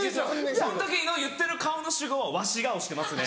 その時の言ってる顔「わし顔」してますね。